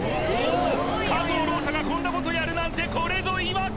加藤ローサがこんなことやるなんてこれぞ違和感！